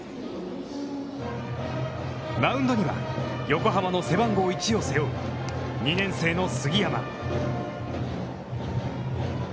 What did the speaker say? マウンドには、横浜の背番号１を背負う２年生の杉山。